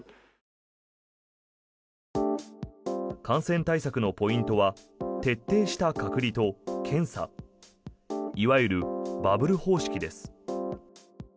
感染対策のポイントは徹底した隔離と検査いわゆるバブル方式です。